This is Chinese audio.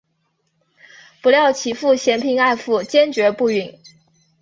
不料其父嫌贫爱富坚决不允。